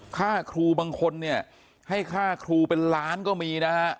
ค่าครูบางคนเนี่ยให้ค่าครูเป็นล้านก็มีนะฮะ